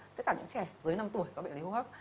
tất cả những trẻ dưới năm tuổi có bệnh lý hô hấp